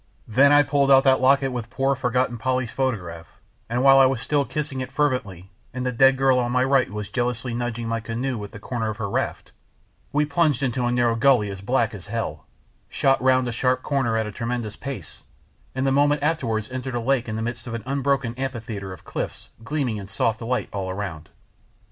Then I pulled out that locket with poor forgotten Polly's photograph, and while I was still kissing it fervently, and the dead girl on my right was jealously nudging my canoe with the corner of her raft, we plunged into a narrow gully as black as hell, shot round a sharp corner at a tremendous pace, and the moment afterwards entered a lake in the midst of an unbroken amphitheatre of cliffs gleaming in soft light all round.